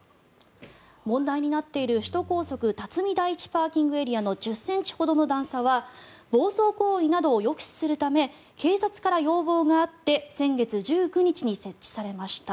問題になっている首都高速辰巳第一ＰＡの１０ｃｍほどの段差は暴走行為などを抑止するため警察から要望があって先月１９日に設置されました。